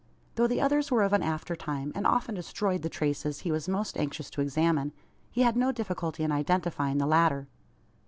Though the others were of an after time, and often destroyed the traces he was most anxious to examine, he had no difficulty in identifying the latter.